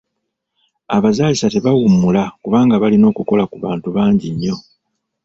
Abazaalisa tebawummula kubanga balina okukola ku bantu bangi nnyo.